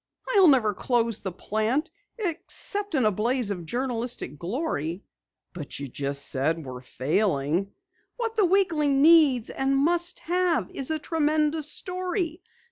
I'll never close the plant except in a blaze of journalistic glory!" "But you just said we're failing " "What the Weekly needs and must have is a tremendous story!